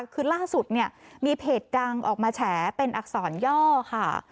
คือล่าสุดเนี่ยมีเพจดังออกมาแฉเป็นอักษรย่อค่ะ